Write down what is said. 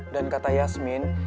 dan kata yasmin